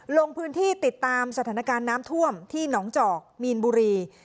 ลงพื้นที่ติดตามสถานการณ์น้ำท่วมที่หนองจอกมีนบุรี